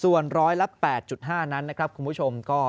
ส่วนร้อยละ๘๕นั้นนะครับคุณผู้ชมก็